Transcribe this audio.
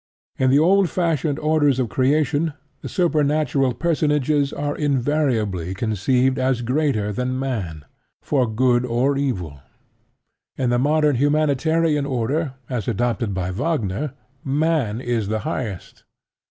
In the old fashioned orders of creation, the supernatural personages are invariably conceived as greater than man, for good or evil. In the modern humanitarian order as adopted by Wagner, Man is the highest.